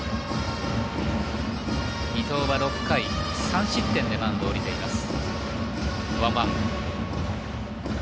伊藤は６回３失点でマウンドを降りています。